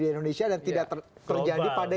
di indonesia dan tidak terjadi pada